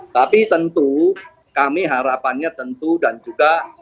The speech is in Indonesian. tapi tentu kami harapannya tentu dan juga